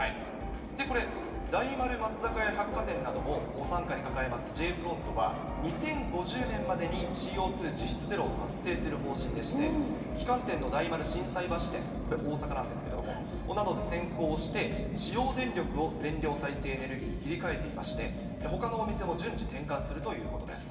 これ、大丸松坂屋百貨店などを傘下に抱えますＪフロントは、２０５０年までにＣＯ２実質ゼロを達成する方針でして、旗艦店の大丸心斎橋店、これ、大阪なんですけれども、などで先行して使用電力を全量再生エネルギーに切り替えていまして、ほかのお店も順次転換するということです。